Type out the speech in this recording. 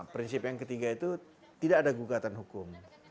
prinsip yang ketiga itu tidak ada gugatan hukum